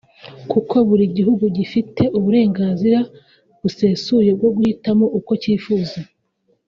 kuko buri gihugu gifite uburenganzira busesuye bwo guhitamo uko cyifuza